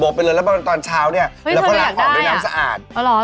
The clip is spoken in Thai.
ไปเลยแล้วตอนเช้าเนี่ยเราก็ล้างออกด้วยน้ำสะอาดอ๋อเหรอ